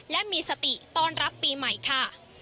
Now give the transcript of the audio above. และมีสติต้อนรับปีใหม่ค่ะ